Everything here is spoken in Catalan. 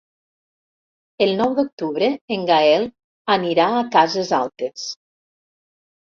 El nou d'octubre en Gaël anirà a Cases Altes.